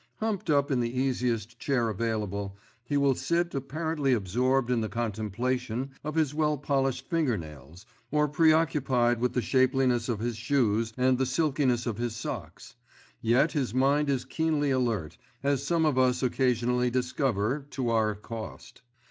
Humped up in the easiest chair available, he will sit apparently absorbed in the contemplation of his well polished finger nails, or preoccupied with the shapeliness of his shoes and the silkiness of his socks; yet his mind is keenly alert, as some of us occasionally discover to our cost.